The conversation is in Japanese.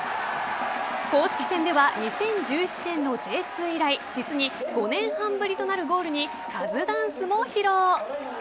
公式戦では２０１７年のＪ２以来実に５年半ぶりとなるゴールにカズダンスも披露。